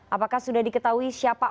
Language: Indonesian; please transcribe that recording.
apakah sudah diketahui siapa